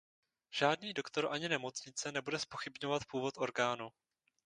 Žádný doktor ani nemocnice nebude zpochybňovat původ orgánu.